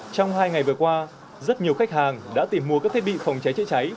trong hai ngày vừa qua rất nhiều khách hàng đã tìm mua các thiết bị phòng cháy chữa cháy